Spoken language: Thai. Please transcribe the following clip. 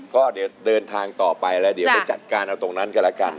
ก็เดี๋ยวเดินทางต่อไปแล้วเดี๋ยวไปจัดการเอาตรงนั้นกันแล้วกัน